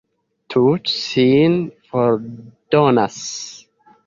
Tute sin fordonas!